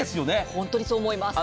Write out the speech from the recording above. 本当にそう思います。